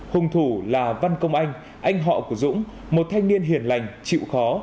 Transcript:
hùng thủ là văn công anh anh họ của dũng một thanh niên hiền lành chịu khó